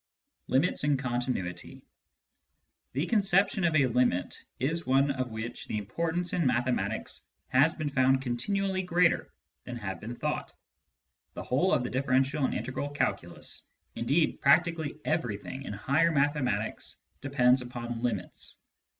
CHAPTER X LIMITS AND CONTINUITY The conception of a " limit " is one of which the importance in mathematics has been found continually greater than had been thought. The whole of the differential and integral calculus, indeed practically everything in higher mathematics, depends upon limits.